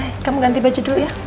oke kamu ganti baju dulu ya